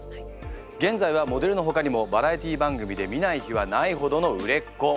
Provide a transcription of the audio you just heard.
現在はモデルのほかにもバラエティー番組で見ない日はないほどの売れっ子。